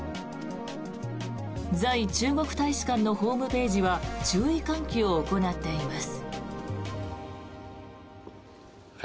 在中国大使館のホームページは注意喚起を行っています。